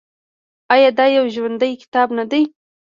آیا دا یو ژوندی کتاب نه دی؟